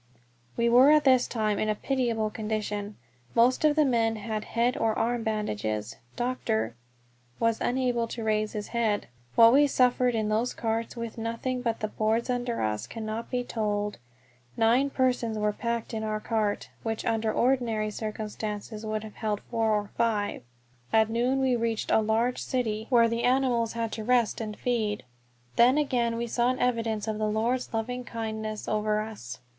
We were at this time in a pitiable condition. Most of the men had head or arms bandaged; Dr. was unable to raise his head. What we suffered in those carts with nothing but the boards under us cannot be told. Nine persons were packed in our cart, which under ordinary circumstances would have held four or five. At noon we reached a large city, where the animals had to rest and feed. Then again we saw an evidence of the Lord's loving kindness over us.